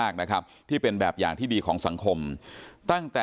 ขณะที่ทาง